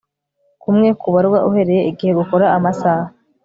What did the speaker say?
kumwe kubarwa uhereye igihe gukora amasaha